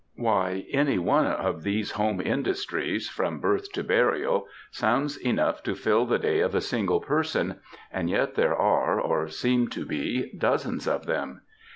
Why, any one of these home industries ^^ from birth .to burial,^ sounds enough to fill the day of a single person, and yet there are, or seem to be, dozens of them.